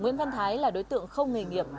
nguyễn văn thái là đối tượng không nghề nghiệp